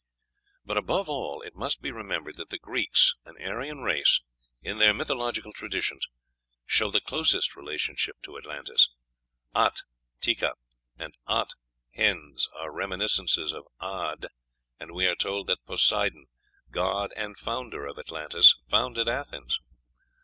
But, above all, it must be remembered that the Greeks, an Aryan race, in their mythological traditions, show the closest relationship to Atlantis. At tika and At hens are reminiscences of Ad, and we are told that Poseidon, god and founder of Atlantis, founded Athens.